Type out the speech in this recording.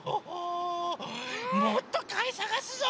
もっとかいさがすぞ！